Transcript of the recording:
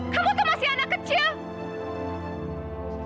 kamu tuh masih anak kecil